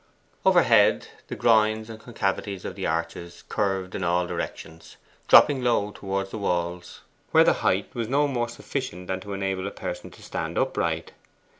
Overhead the groins and concavities of the arches curved in all directions, dropping low towards the walls, where the height was no more than sufficient to enable a person to stand upright.